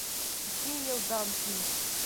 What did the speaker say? Ике йылдан һуң